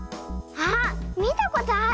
あっみたことある！